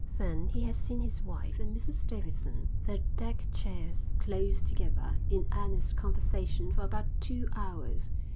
Then he had seen his wife and Mrs Davidson, their deck chairs close together, in earnest conversation for about two hours.